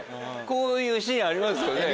こういうシーンありますよね。